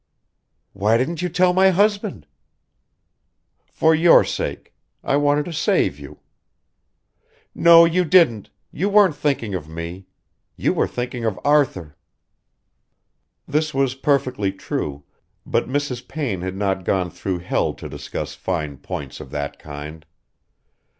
"Why didn't you tell my husband?" "For your sake. I wanted to save you." "No, you didn't... You weren't thinking of me. You were thinking of Arthur." This was perfectly true, but Mrs. Payne had not gone through hell to discuss fine points of that kind.